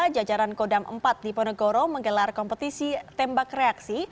jajaran kodam empat di ponegoro menggelar kompetisi tembak reaksi